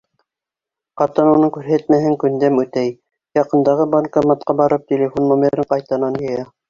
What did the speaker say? Ҡатын уның күрһәтмәһен күндәм үтәй: яҡындағы банкоматҡа барып, телефон номерын ҡайтанан йыя.